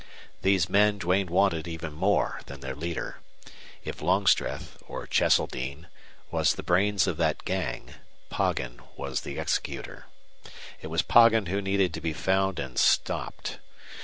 These men Duane wanted even more than their leader. If Longstreth, or Cheseldine, was the brains of that gang, Poggin was the executor. It was Poggin who needed to be found and stopped.